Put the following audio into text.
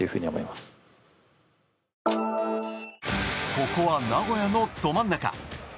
ここは名古屋のど真ん中。